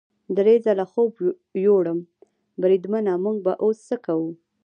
درې ځله خوب یووړم، بریدمنه موږ به اوس څه کوو؟